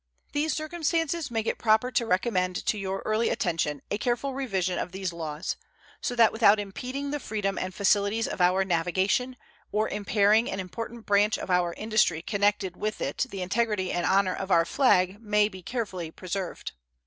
These circumstances make it proper to recommend to your early attention a careful revision of these laws, so that without impeding the freedom and facilities of our navigation or impairing an important branch of our industry connected with it the integrity and honor of our flag may be carefully preserved.